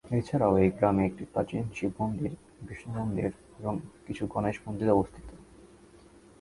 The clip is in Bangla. এছাড়াও এই গ্রামে একটি প্রাচীন শিব মন্দির, বিষ্ণু মন্দির এবং কিছু গণেশ মন্দির অবস্থিত।